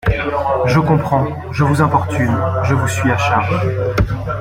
Je comprends… je vous importune… je vous suis à charge…